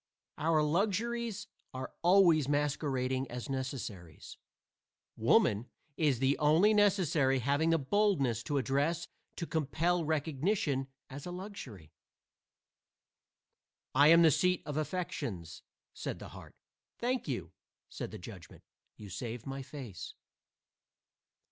Our luxuries are always masquerading as necessaries. Woman is the only necessary having the boldness and address to compel recognition as a luxury. "I am the seat of the affections," said the heart. "Thank you," said the judgment, "you save my face."